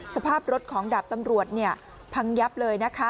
สภาพรถของดาบตำรวจพังยับเลยนะคะ